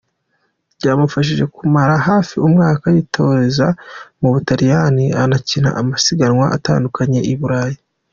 Byamufashije kumara hafi umwaka yitoreza mu Butaliyani anakina amasiganwa atandukanye i Burayi.